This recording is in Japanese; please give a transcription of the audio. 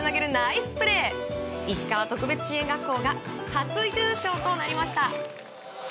いしかわ特別支援学校が初優勝となりました。